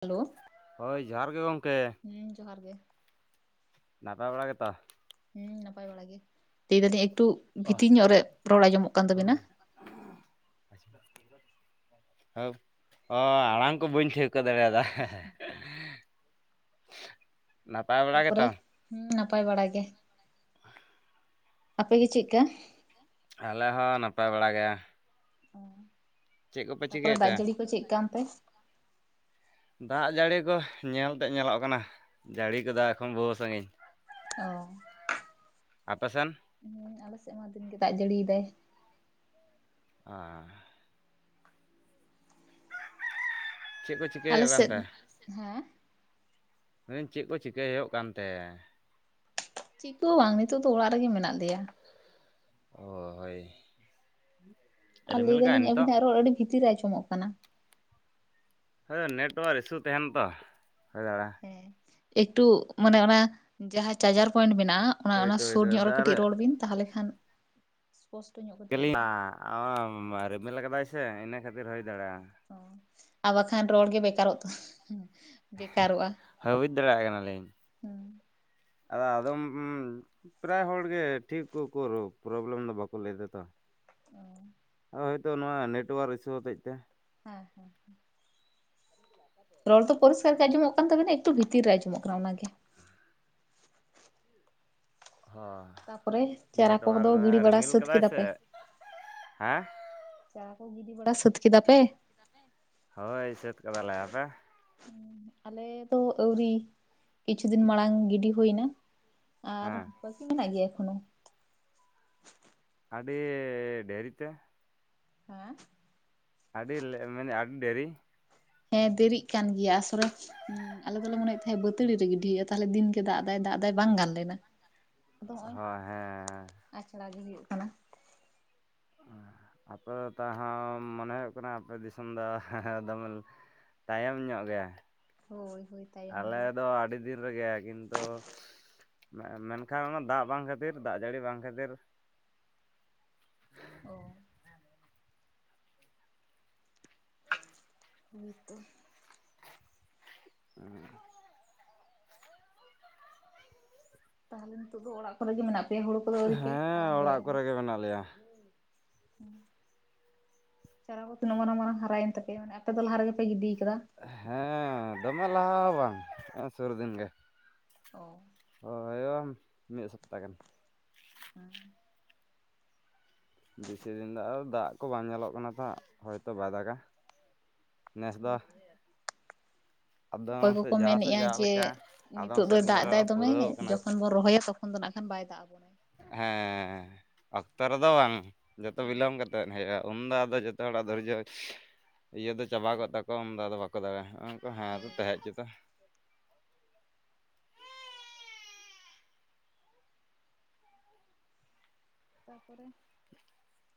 Hello ᱦᱚᱭ ᱡᱚᱦᱟᱨ ᱜᱮ ᱜᱚᱝᱠᱮ ᱦᱮᱸ ᱡᱚᱦᱟᱨ ᱜᱮ ᱱᱟᱯᱟᱭ ᱵᱟᱲᱟ ᱜᱮᱛᱚ ᱦᱮᱸ ᱱᱟᱯᱟᱭ ᱵᱟᱲᱟ ᱜᱮ ᱞᱟᱹᱭ ᱫᱟᱞᱤᱧ ᱮᱠᱴᱩ ᱵᱷᱤᱛᱤᱨ ᱧᱚᱜ ᱨᱮ ᱨᱚᱲ ᱟᱸᱡᱚᱢᱚᱜ ᱠᱟᱱ ᱛᱟᱵᱤᱱᱟ ᱦᱚ ᱟᱲᱟᱝ ᱠᱚ ᱵᱟᱹᱧ ᱴᱷᱟᱹᱣᱠᱟᱹ ᱫᱟᱲᱮᱭᱟᱫᱟ ᱱᱟᱯᱟᱭ ᱵᱟᱲᱟ ᱛᱟᱯᱚᱨᱮ ᱜᱮᱛᱚ? ᱦᱩᱸ ᱱᱟᱯᱟᱭ ᱵᱟᱲᱟ ᱜᱮ ᱟᱯᱮᱜ ᱜᱮ ᱪᱮᱫᱞᱮᱠᱟ ᱟᱞᱮ ᱦᱚᱸ ᱱᱟᱯᱟᱭ ᱵᱟᱲ ᱜᱮᱭᱟ᱾ ᱚ ᱛᱟᱯᱚᱨᱮ ᱪᱤᱠᱟᱹᱭᱮᱫ ᱫᱟᱜ ᱛᱮ? ᱡᱟᱹᱲᱤ ᱠᱚ ᱪᱮᱫ ᱠᱟᱱ ᱯᱮ ᱫᱟᱜ ᱡᱟᱹᱲᱤ ᱠᱚ ᱧᱮᱞᱛᱮ ᱧᱮᱞᱚᱜ ᱠᱟᱱᱟ ᱡᱟᱹᱲᱤ ᱠᱚᱫᱚ ᱮᱠᱷᱚᱱ ᱵᱟᱹᱦᱩ ᱥᱟᱺᱜᱤᱧ ᱚ ᱟᱯᱮ ᱥᱮᱱ ᱦᱮᱸ ᱟᱞᱮ ᱥᱮᱫ ᱟᱭᱢᱟ ᱫᱤᱱ ᱜᱮ ᱫᱟᱜ ᱡᱟᱹᱲᱤᱭᱫᱟᱭ ᱚ ᱪᱮᱫ ᱠᱚ ᱟᱞᱮ ᱪᱤᱠᱟᱹᱭ ᱦᱩᱭᱩᱜ ᱥᱮᱫ ᱠᱟᱱᱛᱮ ᱦᱮᱸ ᱢᱮᱱ ᱤᱧ ᱪᱮᱫ ᱠᱚ ᱪᱤᱠᱟᱹᱭ ᱦᱩᱭᱩᱜ ᱠᱟᱱ ᱛᱮ᱾ ᱪᱤᱠᱟᱹ ᱵᱟᱝ ᱱᱤᱛᱚᱜ ᱫᱚ ᱚᱲᱟᱜ ᱨᱮᱜᱮ ᱢᱮᱱᱟᱜ ᱞᱮᱭᱟ ᱚ ᱦᱳᱭ ᱟᱨ ᱞᱟᱹᱭ ᱨᱤᱢᱤᱞ ᱠᱟᱜᱼᱟᱭ ᱫᱟᱞᱤᱧ ᱱᱤᱛᱚᱜ ᱟᱵᱤᱱᱟᱜ ᱨᱚᱲ ᱟᱹᱰᱤ ᱵᱷᱤᱛᱤᱨ ᱟᱸᱢᱚᱜ ᱠᱟᱱᱟ ᱦᱳᱭ ᱱᱮᱴᱚᱣᱟᱨ ᱤᱥᱩ ᱛᱟᱦᱮᱱᱟ ᱛᱚ ᱦᱳᱭ ᱫᱟᱬ ᱦᱮᱸ ᱮᱠᱴᱩ ᱢᱟᱱᱮ ᱚᱱᱟ ᱡᱟᱦᱟᱸ ᱪᱟᱨᱡᱟᱨ ᱯᱚᱭᱮᱱᱴ ᱢᱮᱱᱟᱜᱼᱟ ᱚᱱᱟ ᱦᱳᱭ ᱚᱱᱟ ᱛᱚ ᱦᱳᱭ ᱥᱩᱨ ᱧᱚᱜ ᱨᱮ ᱠᱟᱹᱴᱤᱡ ᱫᱟᱲᱮ ᱨᱚᱲ ᱵᱤᱱ ᱛᱟᱦᱚᱞᱮ ᱠᱷᱟᱱ ᱥᱯᱚᱥᱴᱚ ᱧᱚᱜ ᱠᱟᱹᱴᱤᱡ ᱟᱸᱡᱚᱢᱚᱜᱼᱟ ᱨᱤᱵᱤᱞ ᱟᱠᱟᱫᱟᱭ ᱥᱮ ᱤᱱᱟᱹ ᱠᱷᱟᱹᱛᱤᱨ ᱦᱩᱭ ᱫᱟᱲᱮᱭᱟᱜᱼᱟ ᱟᱵ ᱠᱷᱟᱱ ᱨᱚᱲ ᱜᱮ ᱵᱮᱠᱟᱨ ᱚᱛ [unintelligible] ᱦᱟᱹᱵᱤᱫ ᱫᱟᱲᱮᱭᱟᱜ ᱠᱟᱱᱟᱞᱤᱧ ᱦᱩᱸ ᱟᱫᱚ ᱟᱫᱚᱢ ᱯᱨᱟᱭ ᱦᱚᱲ ᱜᱮᱮ ᱴᱷᱤᱠ ᱠᱚᱠᱚ ᱯᱨᱚᱵᱞᱮᱢ ᱫᱚ ᱵᱟᱠᱚ ᱞᱟᱹᱭ ᱫᱟᱛᱚ ᱚ ᱦᱳᱭᱛᱚ ᱱᱚᱣᱟ ᱱᱮᱴᱣᱟᱨᱠ ᱤᱥᱩ ᱦᱚᱛᱮᱫ ᱛᱮ ᱦᱮᱸ ᱦᱮᱸ ᱨᱚᱲ ᱫᱚ ᱯᱚᱨᱤᱥᱠ ᱜᱮ ᱟᱸᱡᱚᱢᱚᱜ ᱠᱟᱱ ᱛᱟᱵᱮᱱᱟ ᱮᱠᱴᱩ ᱵᱷᱤᱛᱤᱨ ᱨᱮ ᱟᱸᱡᱚᱢᱚᱜ ᱠᱟᱱᱟ ᱚᱱᱟᱜ ᱜᱮ ᱦ ᱛᱟᱯᱚᱨᱮ ᱪᱟᱨᱟ ᱠᱚᱦ ᱫᱚ ᱜᱤᱲᱤ ᱵᱟᱲᱟ ᱥᱟᱹᱛ ᱠᱟᱫᱟᱭ ᱠᱮᱫᱟ ᱥᱮ ᱯᱮ ᱦᱮᱸ ᱪᱟᱨᱟ ᱠᱚ ᱜᱤᱰᱤ ᱵᱟᱲᱟ ᱥᱟᱹᱛ ᱠᱮᱫᱟ ᱯᱮ ᱦᱳᱭ ᱥᱟᱹᱛ ᱠᱟᱫᱟ ᱞᱮ ᱟᱯᱮ ᱟᱞᱮ ᱫᱚ ᱟᱣᱨᱤ ᱠᱤᱪᱷᱩ ᱫᱤᱱ ᱢᱟᱲᱟᱝ ᱜᱤᱰᱤ ᱦᱩᱭᱱᱟ ᱟᱨ ᱦᱮᱸ ᱵᱟᱹᱠᱤ ᱢᱮᱱᱟᱜ ᱜᱮᱭᱟ ᱮᱠᱷᱚᱱᱳ ᱟᱹᱰᱤ ᱟᱹᱰᱤ ᱰᱮᱨᱤ ᱛᱮ ᱦᱮᱸ ᱟᱹᱰᱤ ᱢᱟᱱᱮ ᱟᱹᱰᱤ ᱰᱮᱨᱤ ᱦᱮᱸ ᱫᱮᱨᱤᱜ ᱠᱟᱱ ᱜᱮᱭᱟ ᱟᱥᱚᱞᱮ ᱦᱮᱸ ᱟᱞᱮ ᱫᱚ ᱮ ᱢᱚᱱᱮᱭ ᱛᱟᱦᱮᱸᱱᱟ ᱵᱟᱹᱛᱟᱹᱲᱤ ᱨᱮ ᱜᱤᱰᱤ ᱦᱩᱭᱩᱜᱼᱟ ᱛᱟᱦᱞᱮ ᱫᱤᱱᱜᱮ ᱫᱟᱜ ᱫᱟᱜ ᱮᱟᱭ ᱵᱟᱝ ᱜᱟᱱ ᱞᱮᱱᱟ ᱟᱫᱚ ᱦᱚᱸᱜᱼᱚᱭ ᱦᱳᱭ ᱦᱮᱸ ᱟᱪᱷᱲᱟ ᱜᱮ ᱦᱩᱭᱩᱜ ᱠᱟᱱᱟ [unintelligible] ᱢᱚᱱᱮ ᱦᱩᱭᱩᱜ ᱠᱟᱱᱟ ᱟᱯᱮ ᱫᱤᱥᱚᱢ ᱫᱚ ᱫᱚᱢᱮ ᱛᱟᱭᱚᱢ ᱧᱚᱜ ᱜᱮᱭᱟ ᱦᱳᱭ ᱦᱳᱭ ᱛᱟᱭᱚᱢ ᱟᱞᱮ ᱜᱮᱭᱟ ᱫᱚ ᱟᱹᱰᱤ ᱫᱤᱱ ᱨᱮᱜᱮ ᱠᱤᱱᱛᱩ ᱢᱮᱱᱠᱷᱟᱱ ᱚᱱᱟ ᱫᱟᱜ ᱵᱟᱝ ᱠᱷᱟᱹᱛᱤᱨ ᱫᱟᱜ ᱡᱟᱹᱲᱤ ᱵᱟᱝ ᱠᱷᱟᱹᱛᱤᱨ ᱚ ᱦᱩᱭᱛ [unintelligible] ᱦᱩᱩ [unintelligible] ᱛᱟᱦᱚᱞᱮ ᱱᱤᱛᱚᱜ ᱫᱚ ᱚᱲᱟᱜ ᱠᱚᱨᱮᱜ ᱜᱮ ᱢᱮᱱᱟᱜ ᱯᱮᱭᱟ ᱦᱩᱲᱩ ᱠᱚᱫᱚ ᱟᱹᱣᱨᱤ ᱦᱮᱸ ᱟᱨᱟᱢ ᱵᱚᱭᱟ ᱚᱲᱟᱜ ᱠᱚᱨᱮ ᱨᱚᱦᱚᱭ ᱜᱮ ᱢᱮᱱᱟᱜ ᱞᱮᱭᱟ ᱪᱟᱨᱟ ᱠᱚ ᱛᱤᱱᱟᱹᱜ ᱢᱟᱨᱟᱝ ᱢᱟᱨᱟᱝ ᱦᱟᱨᱟᱭᱮᱱ ᱛᱟᱯᱮᱭᱟ ᱢᱟᱱᱮ ᱟᱯᱮ ᱫᱚ ᱞᱟᱦᱟ ᱨᱮᱜᱮᱯᱮ ᱜᱤᱰᱤ ᱠᱟᱫᱟ ᱦᱮᱸ ᱫᱚᱢᱮ ᱞᱟᱦᱟ ᱦᱚ ᱵᱟᱝ ᱥᱩᱨ ᱫᱤᱱ ᱜᱮ ᱚ ᱦᱩᱭᱩᱜ-ᱟ ᱢᱤᱫ ᱥᱚᱯᱛᱟ ᱜᱟᱱ ᱦᱮᱸ ᱵᱮᱥᱤ ᱫᱤᱱ ᱫᱚ ᱟᱨ ᱫᱟᱜ ᱠᱚ ᱵᱟᱝ ᱧᱮᱞᱚᱜ ᱠᱟᱱᱟ ᱛᱚ ᱦᱳᱭᱛᱳ ᱵᱟᱭ ᱫᱟᱜᱟ ᱱᱮᱥᱫᱟ ᱦᱳᱭᱛᱚ [unintelligible] ᱚᱠᱚᱭ ᱠᱚᱠᱚ ᱢᱮᱱᱮᱫᱼᱟ ᱡᱮ ᱞᱮᱠᱟ ᱟᱫᱚᱢ ᱱᱤᱛᱳᱜ ᱫᱚ ᱥᱮᱫ ᱫᱟᱜ ᱮᱟᱭ ᱫᱚᱢᱮ ᱯᱩᱨᱟᱹᱣ ᱠᱟᱱᱟ ᱡᱚᱠᱷᱚᱱ ᱵᱚᱱ ᱨᱚᱦᱚᱭᱟ ᱛᱚᱠᱷᱚᱱ ᱠᱷᱚᱱ ᱫᱚ ᱱᱟᱜᱠᱷᱟᱱ ᱵᱟᱭ ᱫᱟᱜ ᱟᱵᱚᱱᱟ ᱦᱮᱸ ᱚᱠᱛᱚ ᱨᱮᱫᱚ ᱵᱟᱝ ᱡᱚᱛᱚ ᱵᱤᱞᱚᱢ ᱠᱟᱛᱮ ᱦᱮᱡᱼᱟ ᱩᱱᱫᱚ ᱟᱫᱚ ᱡᱚᱛᱚ ᱦᱚᱲᱟᱜ ᱫᱷᱨᱡᱚ ᱤᱭᱟᱹ ᱫᱚ ᱪᱟᱵᱟ ᱠᱚ ᱛᱟᱠᱚᱣᱟ ᱩᱱᱫᱚ ᱟᱫᱚ ᱵᱟᱠᱚ ᱫᱟᱲᱮᱭᱟᱜᱼᱟ ᱱᱚᱜ ᱦᱮᱸ ᱦᱳᱭ ᱛᱟᱦᱮᱸ ᱦᱚᱪᱮᱛᱚ ᱛᱟᱯᱚᱨᱮ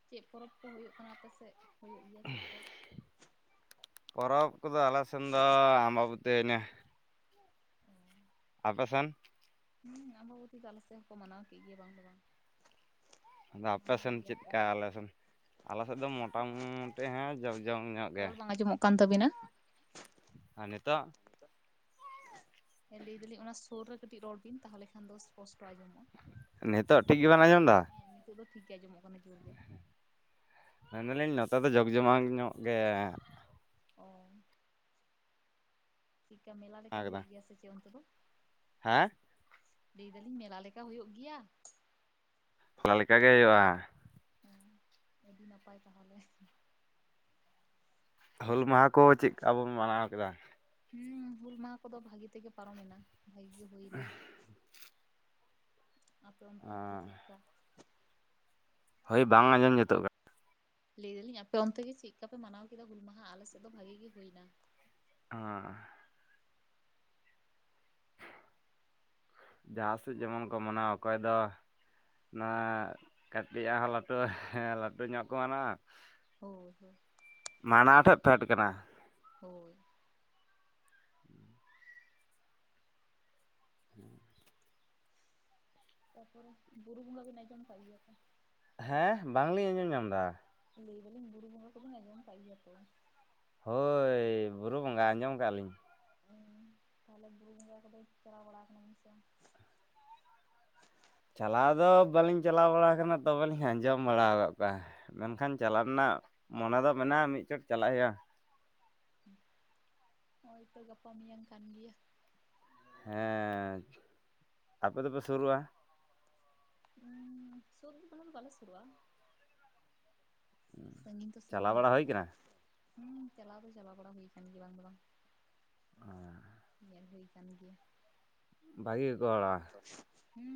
ᱪᱮᱫ ᱯᱚᱨᱚᱵᱽ ᱠᱚ ᱦᱩᱭᱩᱜ ᱠᱟᱱᱟ ᱟᱯᱮ ᱥᱮᱫ ᱦᱩᱭᱩᱜ ᱜᱮᱭᱟ ᱪᱮᱫ ᱠᱚ ᱯᱚᱨᱚᱵᱽ ᱠᱚᱫᱚ ᱟᱞᱮᱥᱮᱫ ᱫᱚ ᱟᱢ ᱟᱵᱟᱹᱵᱩᱛᱤ ᱢᱮ ᱟᱯᱮᱥᱮᱱ ᱦᱮᱸ ᱟᱵᱚᱵᱚᱛᱤ ᱛᱞᱟ ᱥᱮᱫ ᱦᱚᱸᱠᱚ ᱢᱟᱱᱟᱣ ᱠᱮᱫ ᱜᱮ ᱵᱟᱝ ᱫᱚ ᱵᱟᱝ ᱟᱫᱚ ᱟᱯᱮ ᱢᱟᱱᱟᱣ ᱥᱮᱱ ᱜᱮᱭᱟ ᱪᱮᱫ ᱠᱚ᱾ ᱞᱮᱠᱟ ᱟᱞᱮ ᱥᱮᱱ ᱟᱞ ᱥᱮᱫ ᱫᱚ ᱢᱚᱴᱟᱢᱩᱴᱤ ᱦᱮᱸ ᱡᱚᱡᱧᱚᱜ ᱜᱮ ᱨᱚᱲ ᱵᱟᱝ ᱟᱸᱡᱚᱢᱚᱜ ᱠᱟᱱ ᱛᱟᱹᱵᱤᱱᱟ ᱟᱨ ᱱᱤᱛᱚᱜ ᱞᱟᱹᱭ ᱮᱫᱟᱞᱤᱧ ᱚᱱᱟ ᱥᱳᱨ ᱨᱮ ᱠᱟᱹᱴᱤᱡ ᱨᱚᱲ ᱵᱤᱱ ᱛᱟᱦᱚᱞᱮ ᱠᱷᱟᱱ ᱫᱚ ᱥᱯᱚᱥᱴᱚ ᱟᱸᱡᱚᱢᱜᱟ ᱱᱤᱛᱚᱜ ᱴᱷᱤᱠ ᱜᱮᱵ ᱟᱸᱡᱚᱢ ᱮᱫᱟ ᱮ ᱱᱤᱛᱚᱜ ᱫᱚ ᱴᱷᱤᱠ ᱜᱮᱭᱟᱸᱡᱚᱢᱚᱜ ᱠᱟᱱᱟ ᱡᱳᱨ ᱜᱮ ᱢᱮᱱ ᱫᱟ ᱞᱤᱧ ᱱᱚᱛᱮ ᱫᱚ ᱡᱟᱠᱼ ᱡᱚᱢᱟ ᱧᱚᱜ ᱜᱮ ᱚ ᱪᱮᱫᱠᱟ ᱢᱮᱞᱟ ᱞᱮᱠᱟ ᱢᱮᱱᱟᱜ ᱠᱟᱫᱟ ᱦᱩᱭᱩᱜ ᱜᱮᱭᱟ ᱥᱮ ᱪᱮᱫ ᱚᱱᱛᱮ ᱫᱚ ᱦᱮᱸ ᱞᱟᱹᱭ ᱫᱟᱞᱤᱧ ᱢᱮᱞᱟ ᱞᱮᱠᱟ ᱦᱩᱭᱩᱜ ᱜᱮᱭᱟ ᱦᱚᱞᱟ ᱞᱮᱠᱟᱜᱮ ᱦᱩᱭᱩᱜᱼᱟ᱾ ᱦᱮᱸ ᱟᱹᱰᱤ ᱱᱟᱯᱟᱭ ᱛᱟᱦᱚᱞᱮ ᱦᱩᱞ ᱢᱟᱦᱟ ᱠᱚ ᱪᱮᱫᱠᱟ ᱵᱚᱱ ᱢᱟᱱᱟᱣ ᱠᱮᱫᱟ ᱦᱮᱸ ᱦᱩᱞ ᱢᱟᱦᱟ ᱠᱚᱫᱚ ᱵᱷᱟᱜᱤ ᱛᱮᱜᱮ ᱯᱟᱨᱚᱢᱮᱱᱟ ᱵᱷᱟᱜᱤ ᱜᱮ ᱦᱩᱭᱱᱟ ᱟᱯᱨᱚᱱᱛᱮ ᱪ ᱪᱮᱫ ᱞᱮᱠᱟ [unintelligible] ᱦᱳᱭ ᱵᱟᱝ ᱟᱸᱡᱚᱢ ᱡᱩᱛᱚᱜ ᱠᱟᱱᱟ ᱞᱟᱹᱭ ᱫᱟᱞᱤᱧ ᱟᱯᱮ ᱚᱱᱛᱮ ᱜᱮ ᱪᱮᱫ ᱞᱮᱠᱟᱯᱮ ᱢᱟᱱᱟᱣ ᱠᱮᱫᱟ ᱦᱩᱞ ᱢᱟᱦᱟ ᱟᱞᱮᱥᱮᱫ ᱫᱚ ᱵᱷᱟᱜᱤ ᱜᱮ ᱦᱩᱭᱱᱟ ᱚ ᱡᱟᱦᱟᱸ ᱥᱮᱫ ᱡᱮᱢᱚᱱ ᱠᱚ ᱢᱟᱱᱟᱣᱟ ᱚᱠᱚᱭ ᱫᱚ ᱱᱟᱜ ᱠᱟᱹᱴᱤᱡ ᱦᱚᱸ ᱟᱞᱚᱯᱮ ᱟᱞᱚᱯᱮ ᱧᱟᱯᱟᱱᱟ ᱦᱳᱭ ᱢᱟᱱᱟ ᱛᱮᱫ ᱛᱟᱦᱮᱱ ᱠᱟᱱᱟ ᱦᱳᱭ ᱛᱟᱯᱚᱨᱮ ᱵᱩᱨᱩ ᱵᱚᱸᱜᱟ ᱵᱤᱱ ᱟᱡᱚᱢ ᱠᱟᱜ ᱜᱮᱭᱟ ᱛᱚ ᱦᱮᱸᱦ ᱵᱟᱝᱞᱤᱧ ᱟᱸᱡᱚᱢ ᱧᱟᱢ ᱫᱟ ᱞᱟᱹᱭ ᱫᱟᱞᱤᱧ ᱵᱩᱨᱩ ᱵᱚᱸᱜᱟ ᱠᱚᱵᱤᱱ ᱟᱡᱚᱢ ᱠᱟᱜ ᱜᱮᱭᱟ ᱛᱚ ᱦᱳᱭ ᱵᱩᱨᱩ ᱵᱚᱸᱜᱟ ᱟᱸᱡᱚᱢ ᱠᱟᱜ-ᱟ ᱞᱤᱧ ᱟ ᱛᱟᱞᱦᱮ ᱵᱩᱨᱩ ᱵᱚᱸᱜᱟ ᱠᱚᱫᱚ ᱵᱤᱱ ᱪᱟᱞᱟᱣ ᱵᱟᱲᱟ ᱠᱟᱱᱟ ᱵᱤᱱ ᱥᱮ ᱵᱟᱝ ᱪᱟᱞᱟᱣ ᱫᱚ ᱵᱟᱹᱞᱤᱧ ᱪᱟᱞᱟᱣ ᱵᱟᱲᱟ ᱠᱟᱱᱟ ᱛᱚᱵᱮ ᱞᱤᱧ ᱟᱸᱡᱚᱢ ᱵᱟᱲᱟᱣ ᱠᱟᱜ ᱠᱚᱣᱟ ᱢᱮᱱᱠᱷᱟᱱ ᱪᱟᱞᱟᱜ ᱨᱮᱱᱟᱜ ᱢᱚᱱᱮ ᱫᱚ ᱢᱮᱱᱟᱜ-ᱟ ᱢᱤᱫ ᱪᱚᱴ ᱪᱟᱞᱟᱜ ᱦᱳᱭᱳᱜ-ᱟ ᱦᱚᱭ ᱛᱚ ᱜᱟᱯᱟ ᱢᱮᱭᱟᱝ ᱠᱟᱱ ᱜᱮᱭᱟ ᱦᱮᱸ ᱟᱯᱮ ᱫᱚᱯᱮ ᱥᱩᱨᱩᱜᱼᱟ ᱩᱸ ᱥᱩᱨ ᱫᱚ ᱵᱟᱠᱦᱟᱱ ᱵᱟᱞᱮ ᱥᱩᱨᱩᱜᱼᱟ ᱥᱟᱺᱜᱤᱧ ᱫᱚ ᱥᱟᱺᱜᱤᱧ ᱪᱟᱞᱟᱣ ᱵᱟᱲᱟ ᱧᱚᱜ ᱦᱩᱭ ᱜᱮᱭᱟ ᱠᱟᱱᱟ? ᱦᱩᱸ ᱪᱟᱞᱟᱣ ᱫᱚ ᱪᱟᱞᱟ ᱵᱟᱲᱟ ᱦᱩᱭ ᱠᱟᱱ ᱜᱮᱭᱟ ᱵᱟᱝ ᱫᱚ ᱵᱟᱝ ᱟᱦ ᱦᱮᱡ ᱦᱩᱭ ᱠᱟᱱ ᱜᱮᱭᱟ ᱵᱷᱟᱹᱜᱤ ᱜᱮᱠᱚ ᱦᱚᱲᱚᱜᱼᱟ ᱦᱩᱸ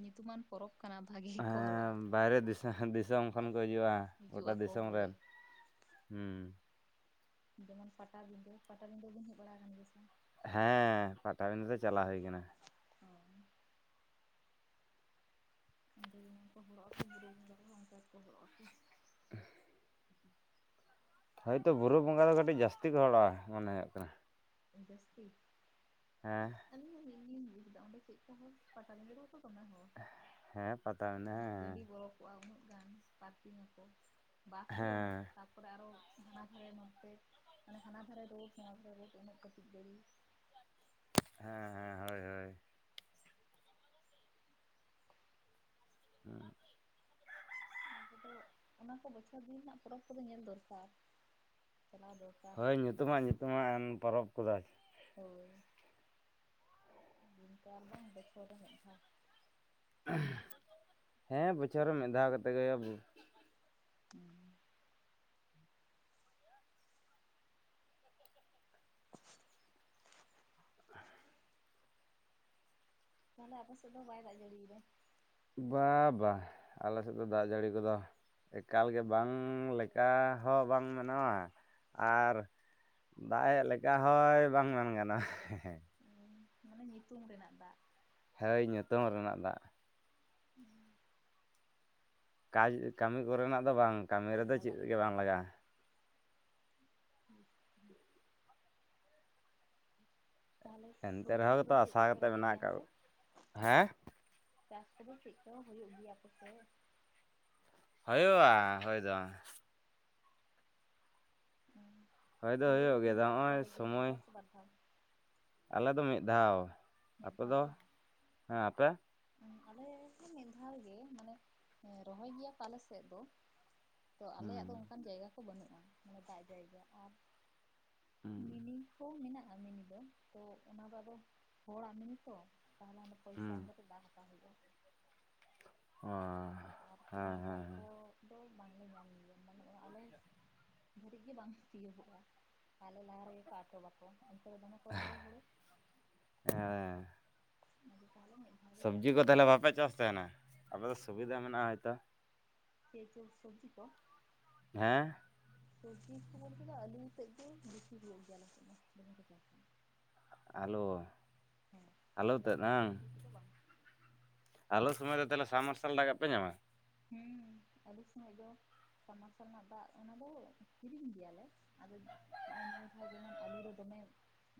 ᱧᱩᱛᱩᱢᱟᱱ ᱯᱚᱨᱚᱵᱽ ᱠᱟᱱᱟ ᱵᱷᱟᱹᱜᱤ ᱜᱮᱠᱚ ᱦᱚᱲᱚᱜ-ᱟ ᱦᱮᱸ ᱵᱟᱭᱨᱮ ᱫᱤᱥᱚᱢ ᱫᱤᱥᱚᱢ ᱠᱷᱚᱱ ᱠᱚ ᱦᱤᱡᱩᱜᱼᱟ ᱦᱤᱡᱩᱜ ᱜᱚᱴᱟ ᱟᱠᱚ ᱫᱤᱥᱚᱢ ᱦᱳᱭ ᱨᱮᱱ ᱦᱩᱸ ᱡᱮᱢᱚᱱ ᱯᱟᱴᱟᱵᱤᱸᱫᱟᱹ ᱯᱟᱴᱟᱵᱤᱸᱫᱟᱹ ᱠᱚᱢ ᱦᱮᱡ ᱵᱟᱲᱟ ᱠᱟᱱ ᱜᱮᱭᱟ ᱥᱮ ᱵᱟᱝ ᱦᱮᱸ ᱯᱟᱴᱟᱵᱤᱫᱟᱹ ᱫᱚ ᱪᱟᱞᱟᱣ ᱦᱩᱭ ᱠᱟᱱᱟ ᱚ ᱚᱸᱰᱮ ᱡᱮᱢᱚᱱ ᱠᱚ ᱦᱚᱲᱚᱜ ᱟᱠᱚ ᱵᱩᱨᱩ ᱵᱚᱸᱜᱟ ᱨᱮ ᱦᱚᱸ ᱚᱱᱠᱟ ᱜᱮ ᱠᱚ ᱦᱚᱲᱚᱜ ᱟᱠᱚ ᱦᱳᱭᱛᱚ ᱵᱩᱨᱩ ᱵᱚᱸᱜᱟ ᱫᱚ ᱠᱟᱹᱴᱤᱡ ᱡᱟᱹᱥᱛᱤ ᱠᱚ ᱦᱚᱲᱚᱜ-ᱟ ᱢᱚᱱᱮ ᱦᱳᱭᱳᱜ ᱠᱟᱱᱟ ᱡᱟᱹᱥᱛᱤ ᱦᱮᱸ [inaudible] ᱪᱮᱫ ᱞᱮᱠᱟ ᱦᱚᱲ ᱯᱟᱴᱟ ᱵᱤᱸᱫᱟᱹ ᱨᱮᱦᱚᱸ ᱛᱚ ᱫᱚᱢᱮ ᱦᱚᱲ ᱦᱮᱸ ᱯᱟᱛᱟᱵᱤᱸᱫᱟᱹ ᱦᱮᱸ ᱩᱱᱟᱹᱜ ᱦᱮᱸ ᱜᱟᱹᱰᱤ ᱵᱚᱞᱚ ᱠᱚᱜ-ᱟ ᱩᱱᱟᱹᱜ ᱜᱟᱱ ᱯᱟᱨᱠᱤᱝ ᱟᱠᱚ ᱵᱟᱥ ᱜᱮ ᱩᱱᱟᱹᱜ ᱦᱮᱸ ᱚᱸᱰᱮ ᱟᱨᱚ ᱦᱟᱱᱟ ᱫᱷᱟᱨᱮ ᱱᱚᱱᱛᱮ ᱢᱟᱱᱮ ᱦᱟᱱᱟ ᱫᱷᱟᱨᱮ ᱨᱳᱰ ᱱᱚᱣᱟ ᱫᱷᱟᱨᱮ ᱨᱳᱰ ᱚᱱᱮ ᱠᱟᱹᱴᱤᱡ ᱜᱟᱹᱲᱤ ᱦᱮᱸ ᱦᱮᱸ ᱦᱳᱭ ᱦᱳᱭ [inaudible] ᱚᱱᱟ ᱚᱱᱟ ᱠᱚ ᱵᱚᱪᱷᱚᱨ ᱫᱤᱱ ᱨᱮᱱᱟᱜ ᱯᱚᱨᱚᱵᱽ ᱠᱚᱫᱚ ᱧᱮᱞ ᱫᱚᱨᱠᱟᱨ ᱪᱟᱞᱟᱣ ᱫᱚᱨᱠᱟᱨ ᱦᱚᱭ ᱧᱩᱛᱩᱢᱟᱜ ᱧᱩᱛᱩᱢᱟᱱ ᱯᱚᱨᱚᱵᱽ ᱠᱚᱫᱚ ᱟᱨᱠᱤ ᱦᱳᱭ [inaudible] ᱟᱨ ᱵᱟᱝ ᱵᱚᱪᱷᱚᱨ ᱨᱮ ᱢᱤᱫ ᱫᱷᱟᱣ ᱦᱮᱸ ᱵᱚᱪᱷᱚᱨ ᱨᱮ ᱢᱤᱫ ᱫᱷᱟᱣ ᱠᱟᱛᱮ ᱜᱮ ᱦᱳᱭᱳᱜᱼᱟ [unintelligible] ᱛᱟᱦᱞᱮ ᱟᱯᱮ ᱥᱮᱫ ᱦᱚᱸ ᱵᱟᱭ ᱫᱟᱜ ᱡᱟᱹᱲᱤᱫᱟᱭ ᱵᱟᱝ ᱵᱟ ᱟᱞᱮ ᱥᱮᱫ ᱫᱚ ᱫᱟᱜ ᱡᱟᱹᱲᱤ ᱠᱚ ᱫᱚ ᱮᱠᱟᱞ ᱜᱮ ᱵᱟᱝ ᱞᱮᱠᱟ ᱦᱚᱸ ᱵᱟᱝ ᱢᱟᱱᱟᱣᱟ ᱟᱨ ᱫᱟᱜ ᱮᱱ ᱞᱮᱠᱟ ᱦᱚᱸ ᱵᱟᱝ ᱢᱮᱱ ᱜᱟᱱᱚᱜ-ᱟ ᱦᱮᱸ ᱢᱟᱱᱮ ᱧᱩᱛᱩᱢ ᱨᱮᱱᱟᱜ ᱫᱟᱜ ᱦᱳᱭ ᱧᱩᱛᱩᱢ ᱨᱮᱱᱟᱜ ᱫᱟᱜ ᱠᱟᱡᱽ ᱠᱟᱹᱢᱤ ᱠᱚ ᱨᱮᱱᱟᱜ ᱫᱚ ᱵᱟᱝ ᱠᱟᱹᱢᱤ ᱵᱟᱝ ᱨᱮᱫᱚ ᱪᱮᱫ ᱞᱟᱜᱟᱜ ᱜᱮ ᱠᱟᱱᱟ ᱵᱟᱝ ᱦᱮᱸ ᱞᱟᱜᱟᱜ-ᱟ ᱛᱟᱦᱚᱞᱮ ᱮᱱᱛᱮ ᱥᱚᱵᱽᱡᱤ ᱨᱮᱦᱚᱸ ᱠᱚᱫᱚ ᱜᱮᱛᱚ ᱪᱮᱫ ᱟᱥᱟ ᱠᱚᱯᱮ ᱠᱟᱛᱮ ᱨᱚᱦᱚᱭ ᱢᱮᱱᱟᱜ ᱜᱮᱭᱟ ᱟᱠᱟᱫ ᱥᱮ ᱦᱮᱸ ᱪᱟᱥ ᱠᱚᱫᱚ ᱪᱮᱫ ᱠᱚᱦᱚᱸ ᱦᱩᱭᱩᱜ ᱜᱮᱭᱟ ᱯᱮ ᱥᱮ ᱦᱳᱭᱳᱜᱼᱟ ᱦᱳᱭ ᱫᱚ ᱦᱳᱭ ᱫᱚ ᱦᱩᱲᱩ ᱦᱩᱭᱩᱜ ᱜᱮᱭᱟ ᱛᱤᱱ ᱫᱚ ᱵᱟᱨ ᱯᱮ ᱱᱚᱜᱼᱚᱭ ᱨᱚᱦᱚᱭ ᱜᱮᱭᱟ ᱢᱤᱫ ᱥᱚᱢᱚᱭ ᱫᱷᱟᱣ ᱥᱮ ᱵᱟᱨ ᱫᱷᱟᱣ ᱟᱞᱮ ᱫᱚ ᱢᱤᱫ ᱫᱷᱟᱣ ᱢᱤᱫ ᱟᱯᱮ ᱫᱷᱟᱣ ᱫᱚ ᱜᱮ ᱵᱟᱝ ᱦᱮᱸ ᱟᱯᱮ ᱟᱞᱮ ᱦᱚᱸ ᱢᱤᱫ ᱫᱷᱟᱣ ᱜᱮ ᱢᱟᱱᱮ ᱨᱚᱦᱚᱭ ᱜᱮᱭᱟ ᱠᱚ ᱟᱞᱮ ᱥᱮᱫ ᱫᱚ ᱛᱚ ᱟᱞᱮᱭᱟᱜ ᱫᱚ ᱦᱩᱸ ᱚᱱᱠᱟᱱ ᱡᱟᱭᱜᱟ ᱠᱚ ᱵᱟᱹᱱᱩᱜᱼᱟ ᱢᱟᱱᱮ ᱫᱟᱜ ᱡᱟᱭᱜᱟ ᱟᱨ ᱦᱩᱸ ᱢᱤᱱᱤ ᱠᱚ ᱢᱮᱱᱟᱜᱼᱟ ᱢᱤᱱᱤ ᱫᱚ ᱛᱚ ᱚᱱᱟᱫᱚ ᱟᱫᱚ ᱦᱚᱲᱟᱜ ᱢᱮᱱᱤ ᱛᱚ ᱛᱟᱦᱚᱞᱮ ᱚᱰᱮ ᱯᱚᱭᱥᱟ ᱦᱩᱸ ᱮᱢ ᱠᱟᱛᱮ ᱵᱟᱝ ᱵᱟᱝ ᱦᱤᱡᱩᱜ-ᱟ ᱚᱸ ᱠᱮᱱᱮᱞ ᱫᱟᱜ ᱠᱚ ᱫᱚ ᱵᱟᱝᱞᱮ ᱧᱟᱢ ᱜᱮᱭᱟ ᱢᱟᱱᱮ ᱟᱞᱮ ᱫᱷᱟᱹᱨᱤᱡ ᱜᱮ ᱵᱟᱝ ᱛᱤᱭᱳᱜᱚᱜᱼᱟ ᱟᱞᱮ ᱞᱟᱦᱟ ᱨᱮᱜᱮ ᱠᱚ ᱟᱴᱚᱵ ᱟᱠᱚ ᱩᱱᱠᱩ ᱫᱚ ᱫᱚᱢᱮ ᱠᱚ ᱨᱚᱦᱚᱭᱟ ᱦᱩᱲᱩ ᱦᱮᱸ ᱟᱫᱚ ᱛᱟᱦᱚᱞᱮ ᱫᱷᱟᱣ ᱜᱮ ᱪᱟᱥ ᱥᱚᱵᱽᱡᱤ ᱠᱚ ᱛᱟᱦᱚᱞᱮ ᱦᱩᱭᱩᱜᱼᱟ ᱵᱟᱯᱮ ᱪᱟᱥ ᱛᱟᱦᱮᱱᱟ ᱟᱯᱮ ᱫᱚ ᱥᱩᱵᱤᱫᱟ ᱢᱮᱱᱟᱜᱼᱟ ᱦᱚᱭᱛᱚ [unintelligible] ᱥᱚᱵᱽᱡᱤ ᱠᱚ ᱦᱮᱸ ᱥᱚᱵᱽᱡᱤ ᱠᱚ ᱵᱚᱞ ᱛᱮ ᱫᱚ ᱟᱹᱞᱤᱧ ᱥᱮᱫ ᱜᱮ ᱵᱮᱥᱤ ᱦᱩᱭᱩᱜ ᱜᱮᱭᱟ ᱟᱞᱮ ᱥᱮᱫ ᱫᱚ ᱟᱹᱞᱩ ᱦᱮᱸ ᱟᱹᱞᱩ ᱟᱫᱚ ᱛᱮᱫ ᱮᱴᱟᱜ ᱦᱟᱝ ᱥᱚᱵᱽᱡᱤ ᱠᱚᱫᱚ ᱵᱟᱝ ᱟᱹᱞᱩ ᱥᱚᱢᱚᱭ ᱨᱮ ᱫᱚ ᱛᱟᱦᱚᱞᱮ ᱥᱟᱢ ᱢᱟᱨᱥᱟᱞ ᱫᱟᱜ ᱯᱮ ᱧᱟᱢᱟ ᱦᱩᱸ ᱟᱹᱞᱩ ᱥᱚᱢᱟᱭ ᱫᱚ ᱥᱟᱢ ᱢᱟᱨᱥᱟᱞ ᱨᱮᱱᱟᱜ ᱫᱟᱜ ᱚᱱᱟ ᱫᱚ ᱠᱤᱨᱤᱧ ᱜᱮᱭᱟᱞᱮ ᱟᱫᱚ ᱱᱚᱜᱼᱚᱭ ᱱᱤᱭᱟᱹ ᱫᱷᱟᱣ ᱡᱮᱢᱚᱱ ᱟᱹᱞᱩ ᱨᱮ ᱫᱚᱢᱮ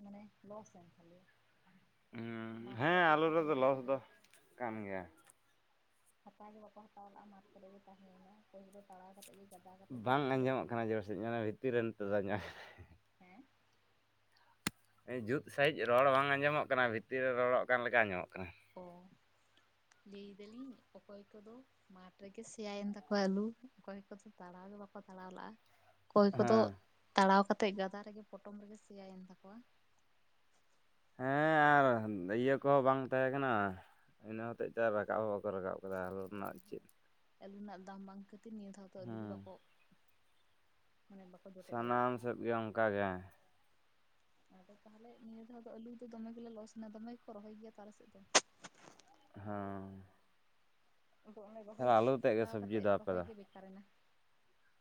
ᱢᱟᱱᱮ ᱞᱚᱥ ᱮᱱ ᱛᱟᱞᱮᱭᱟ ᱦᱩᱸ, ᱢᱟᱴᱷ ᱦᱮᱸ ᱠᱚᱨᱮ ᱜᱮ ᱟᱞᱩ ᱨᱮᱫᱚ ᱛᱟᱦᱮᱸᱭᱮᱱ ᱞᱚᱥ ᱫᱚ ᱛᱟᱞᱮᱭᱟ ᱠᱟᱱ ᱜᱮᱭᱟ ᱦᱟᱛᱟᱣ ᱜᱮ ᱵᱟᱠᱚ ᱦᱟᱛᱟᱣ ᱞᱟᱜᱼᱟ ᱢᱟᱴᱷ ᱠᱚᱨᱮ ᱜᱮ ᱛᱟᱦᱮᱸᱭᱮᱱᱟ ᱯᱟᱹᱦᱤᱞ ᱛᱟᱲᱟᱣ ᱠᱟᱛᱮᱫ ᱜᱮ ᱜᱟᱫᱟ ᱠᱟᱛᱮᱫ ᱜᱮ ᱵᱟᱝ ᱟᱸᱡᱚᱢᱚᱜ ᱥᱮᱭᱟᱭᱮᱱ ᱠᱟᱱᱟ ᱛᱟᱠᱚᱣᱟ ᱡᱳᱨ ᱥᱟᱦᱤᱡ ᱫᱚᱢᱮ ᱵᱷᱤᱛᱤᱨ ᱨᱮ ᱱᱤᱛᱚᱜ ᱫᱚ ᱟᱸᱡᱚᱢᱚᱜ ᱦᱮᱸ ᱡᱩᱛ ᱥᱟᱺᱦᱤᱡ ᱨᱚᱲ ᱵᱟᱝ ᱟᱸᱡᱚᱢᱚᱜ ᱠᱟᱱᱟ ᱵᱷᱤᱛᱤᱨ ᱨᱮ ᱨᱚᱲᱚᱜ ᱠᱟᱱ ᱞᱮᱠᱟ ᱟᱸᱡᱚᱢᱚᱜ ᱠᱟᱱᱟ ᱚᱸ ᱞᱟᱹᱭ ᱫᱟᱞᱤᱧ ᱚᱠᱚᱭ ᱠᱚᱫᱚ ᱢᱟᱴᱷ ᱨᱮᱜᱮ ᱥᱮᱭᱟᱭᱮᱱ ᱛᱟᱠᱚᱣᱟ ᱟᱹᱞᱩ ᱚᱠᱚᱭ ᱠᱚᱫᱚ ᱛᱟᱲᱟᱣ ᱜᱮ ᱵᱟᱠᱚ ᱛᱟᱲᱟᱣ ᱞᱟᱜᱼᱟ ᱚᱠᱚᱭ ᱠᱚᱫᱚ ᱦᱮᱸ ᱛᱟᱲᱟᱣ ᱠᱟᱛᱮᱫ ᱜᱟᱫᱟ ᱨᱮᱜᱮ ᱯᱚᱴᱚᱢ ᱨᱮᱜᱮ ᱥᱮᱭᱟᱭᱮᱱ ᱛᱟᱠᱚᱣᱟ ᱦᱮᱸ ᱟᱨ ᱤᱭᱟᱹ ᱠᱚᱦᱚᱸ ᱵᱟᱝ ᱛᱟᱦᱮᱸ ᱠᱟᱱᱟ ᱤᱱᱟᱹ ᱦᱚᱛᱮᱡ ᱛᱮ ᱟᱨ ᱨᱟᱠᱟᱵ ᱦᱚᱸ ᱵᱟᱠᱚ ᱨᱟᱠᱟᱵ ᱠᱟᱫᱟ ᱟᱹᱞᱩ ᱦᱳᱭ ᱨᱮᱱᱟᱜ ᱦᱳᱭ ᱪᱮᱫ ᱟᱹᱞᱩ ᱨᱮᱱᱟᱜ ᱫᱟᱢ ᱵᱟᱝ ᱠᱷᱟᱹᱛᱤᱨ ᱱᱤᱭᱟᱹ ᱫᱷᱟᱣ ᱫᱚ ᱟᱹᱞᱩ ᱫᱚ ᱦᱮᱸ ᱵᱟᱠᱚ ᱢᱟᱱᱮ ᱵᱟᱠᱚ ᱡᱚᱴᱮᱫ ᱵᱟᱲᱟᱭᱮᱫ ᱥᱟᱱᱟᱢ ᱛᱟᱦᱮᱸᱫ ᱥᱮᱫ ᱜᱮ ᱚᱱᱠᱟ ᱜᱮ ᱟᱫᱚ ᱛᱟᱦᱚᱞᱮ ᱱᱤᱭᱟᱹ ᱫᱷᱟᱣ ᱫᱚ ᱟᱹᱞᱩ ᱫᱚ ᱫᱚᱢᱮ ᱜᱮᱞᱮ ᱞᱚᱥᱱᱟ ᱫᱚᱢᱮ ᱜᱮᱠᱚ ᱨᱚᱦᱚᱭ ᱜᱮᱭᱟ ᱛᱚ ᱟᱞᱮ ᱥᱮᱫ ᱫᱚ ᱦᱮᱸ ᱟᱫᱚ ᱚᱱᱮ ᱨᱚᱦᱚᱭ ᱛᱟᱦᱚᱞᱮ ᱟᱹᱞᱩ ᱛᱮᱫ ᱜᱮ ᱥᱟᱴᱟᱣ ᱥᱚᱵᱽᱡᱤ ᱠᱟᱛᱮᱫ ᱫᱚ ᱟᱯᱮ ᱨᱚᱦᱚᱭ ᱫᱚ ᱜᱮ ᱵᱮᱠᱟᱨ ᱮᱱᱟ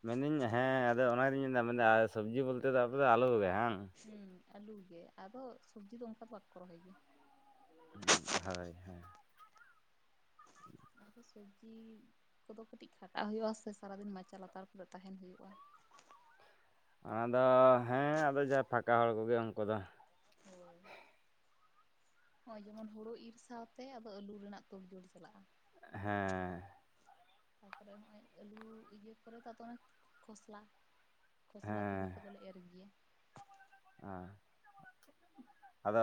ᱢᱮᱱᱫᱟᱹᱧ ᱦᱮᱸ ᱟᱫᱚ ᱚᱱᱟᱜᱤᱧ ᱢᱮᱱᱫᱟ ᱢᱮᱱᱫᱟ ᱥᱚᱵᱽᱡᱤ ᱵᱚᱞᱛᱮ ᱫᱚ ᱟᱯᱮ ᱫᱚ ᱟᱹᱞᱩ ᱜᱮ ᱦᱟᱝ ᱦᱮᱸ ᱟᱹᱞᱩ ᱜᱮ ᱟᱫᱚ ᱥᱚᱵᱽᱡᱤ ᱫᱚ ᱚᱱᱠᱟ ᱫᱚ ᱵᱟᱠᱚ ᱨᱚᱦᱚᱭ ᱜᱮᱭᱟ ᱦᱳᱭ ᱦᱳᱭ ᱥᱚᱵᱽᱡᱤ ᱠᱚᱫᱚ ᱠᱟᱹᱴᱤᱡ ᱠᱷᱟᱴᱟᱜ ᱦᱩᱭᱩᱜᱼᱟ ᱥᱮ ᱥᱟᱨᱟ ᱫᱤᱱ ᱢᱟᱪᱟ ᱞᱟᱛᱟᱨ ᱠᱚᱨᱮ ᱛᱟᱦᱮᱱ ᱦᱩᱭᱩᱜᱼᱟ ᱚᱱᱟᱫᱚ ᱦᱮᱸ ᱟᱫᱚ ᱡᱟᱦᱟᱸ ᱯᱷᱟᱸᱠᱟ ᱦᱚᱲ ᱠᱚᱜᱮ ᱩᱱᱠᱩ ᱫᱚ ᱱᱚᱜᱼᱚᱭ ᱡᱮᱢᱚᱱ ᱦᱩᱲᱳ ᱤᱨ ᱥᱟᱶᱛᱮ ᱟᱫᱚ ᱟᱹᱞᱩ ᱨᱮᱱᱟᱜ ᱛᱳᱲ ᱡᱳᱲ ᱪᱟᱞᱟᱜᱼᱟ ᱦᱮᱸ ᱛᱟᱨ ᱯᱚᱨᱮ ᱱᱚᱜᱼᱚᱭ ᱟᱹᱞᱩ ᱤᱭᱟᱹ ᱠᱚᱨᱮ ᱫᱚ ᱚᱱᱮ ᱠᱷᱚᱥᱞᱟ ᱠᱷᱚᱥᱞᱟ ᱛᱩᱲᱤ ᱦᱮᱸ ᱠᱚᱫᱚᱞᱮ ᱮᱨ ᱜᱮᱭᱟ ᱚ ᱟᱫᱚ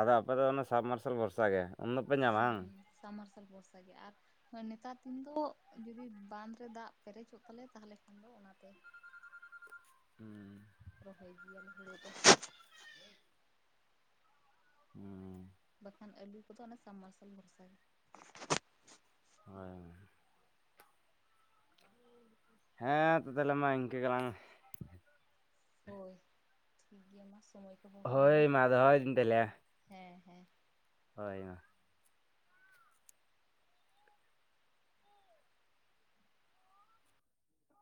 ᱟᱫᱚ ᱟᱯᱮ ᱫᱚ ᱚᱱᱟ ᱥᱟᱵ ᱢᱟᱨᱥᱟᱞ ᱵᱷᱚᱨᱥᱟ ᱜᱮ ᱾ ᱩᱱ ᱫᱚᱯᱮ ᱧᱟᱢᱟ ᱵᱟᱝ, ᱥᱟᱵ ᱢᱟᱨᱥᱟᱞ ᱵᱷᱚᱨᱥᱟ ᱜᱮ ᱟᱨ ᱱᱮᱛᱟᱨ ᱫᱤᱱ ᱫᱚ ᱡᱩᱫᱤ ᱵᱟᱸᱷ ᱨᱮ ᱫᱟᱜ ᱯᱮᱨᱮᱡᱚᱜ ᱛᱟᱞᱮᱭᱟ ᱾ ᱛᱟᱦᱚᱞᱮ ᱠᱷᱟᱱ ᱫᱚ ᱚᱱᱟᱛᱮ ᱦᱮᱸ ᱜᱮᱭᱟᱞ ᱦᱩᱲᱩ ᱫᱚ ᱦᱮᱸ ᱵᱟᱠᱷᱟᱱ ᱟᱹᱞᱩ ᱠᱚᱫᱚ ᱚᱱᱮ, ᱥᱟᱢ ᱢᱟᱨᱥᱟᱞ ᱵᱷᱚᱨᱥᱟ ᱜᱮ ᱾ ᱦᱳᱭ ᱦᱮᱸ ᱛᱚ ᱛᱟᱦᱚᱞᱮ ᱢᱟ ᱤᱱᱠᱟᱹ ᱜᱮᱞᱟᱝ ᱦᱳᱭ ᱴᱷᱤᱠ ᱜᱮᱭᱟ ᱢᱟ ᱥᱚᱢᱚᱭ ᱦᱳᱭ ᱢᱟ ᱫᱚᱦᱚᱭ ᱫᱟᱹᱧ ᱛᱟᱦᱚᱞᱮ᱾ ᱦᱮᱸᱻ ᱦᱮᱸ ᱦᱳᱭ ᱢᱟ,